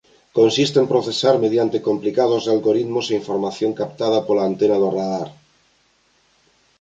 Consiste en procesar mediante complicados algoritmos a información capturada pola antena do radar.